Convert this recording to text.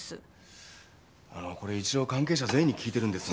あのこれ一応関係者全員に聞いているんですが。